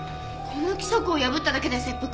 この規則を破っただけで切腹？